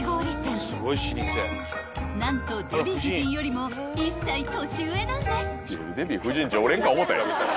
［何とデヴィ夫人よりも１歳年上なんです］